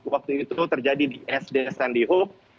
waktu itu terjadi di sd sandy hope